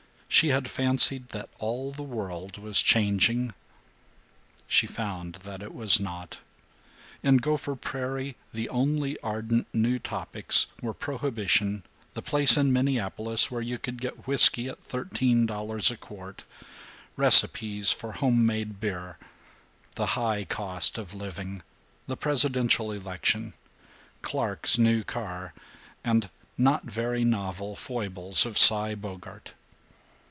She had fancied that all the world was changing. She found that it was not. In Gopher Prairie the only ardent new topics were prohibition, the place in Minneapolis where you could get whisky at thirteen dollars a quart, recipes for home made beer, the "high cost of living," the presidential election, Clark's new car, and not very novel foibles of Cy Bogart.